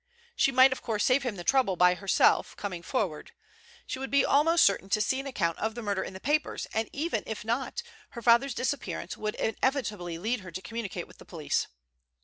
She might of course save him the trouble by herself coming forward. She would be almost certain to see an account of the murder in the papers, and even if not, her father's disappearance would inevitably lead her to communicate with the police.